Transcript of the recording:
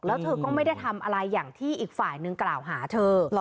แล้วเธอก็ไม่ได้ทำอะไรอย่างที่อีกฝ่ายนึงกล่าวหาเธอ